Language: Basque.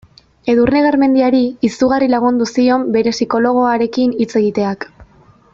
Edurne Garmendiari izugarri lagundu zion bere psikologoarekin hitz egiteak.